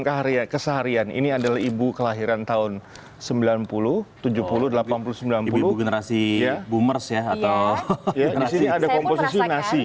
seharian keseharian ini adalah ibu kelahiran tahun sembilan puluh tujuh puluh delapan puluh sembilan puluh generasi ya boomers ya atau